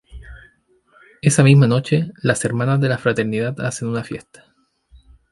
Esa misma noche, las hermanas de la fraternidad hacen una fiesta.